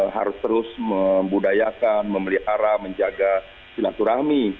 harus terus membudayakan memelihara menjaga silaturahmi